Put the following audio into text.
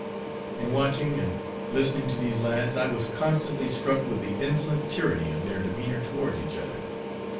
In watching and listening to these lads, I was constantly struck with the insolent tyranny of their demeanour towards each other.